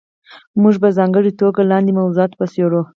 موږ به په ځانګړې توګه لاندې موضوعات وڅېړو.